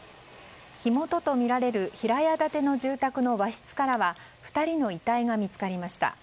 火元とみられる平屋建ての住宅の和室からは２人の遺体が見つかりました。